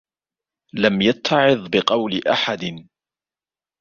لَمْ يَتَّعِظْ بِقَوْلِ أَحَدٍ